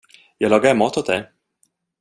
Jag lagar mat åt dig.